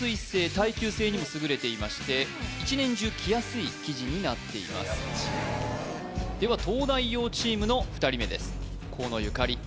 耐久性にも優れていまして一年中着やすい生地になっていますでは東大王チームの２人目です河野ゆかり